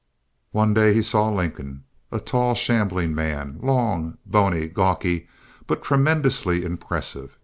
One day he saw Lincoln—a tall, shambling man, long, bony, gawky, but tremendously impressive.